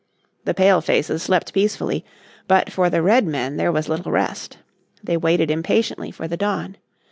The Pale faces slept peacefully, but for the Redmen there was little rest. They waited impatiently for the dawn.